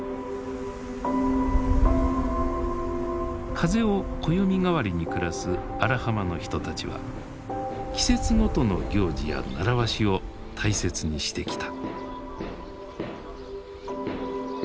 風を暦代わりに暮らす荒浜の人たちは季節ごとの行事や習わしを大切にしてきた。